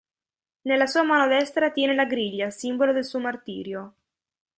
Nella sua mano destra tiene la griglia, simbolo del suo martirio.